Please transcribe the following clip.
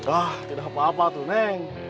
oh tidak apa apa tuh neng